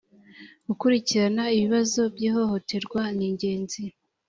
gukurikirana ibibazo byihohoterwa ningenzi.